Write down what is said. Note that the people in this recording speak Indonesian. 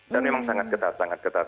dan memang sangat ketat sangat ketat